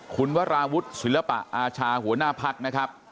คุณวราวุฒิศิลปะอาชาหัวหน้าพักนะครับ